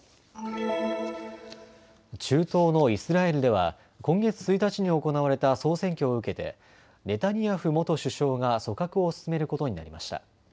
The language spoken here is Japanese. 中東のイスラエルでは今月１日に行われた総選挙を受けてネタニヤフ元首相が組閣を進めることになりました。